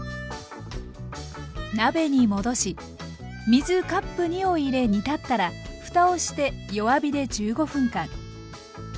鍋に戻し水カップ２を入れ煮立ったらふたをして弱火で１５分間。